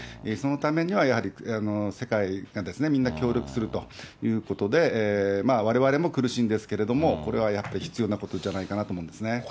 そのためにはやはり、世界がですね、みんな協力するということで、われわれも苦しいんですけども、これはやっぱり必要なことじゃないかなと思いますね。